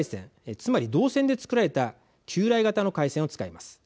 つまり銅線で作られた旧来型の回線を使います。